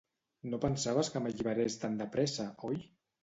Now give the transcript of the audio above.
No pensaves que m'alliberés tan depressa, oi?